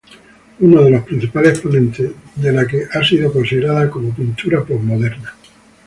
Uno de los principales exponentes de la que ha sido considerada como pintura postmoderna.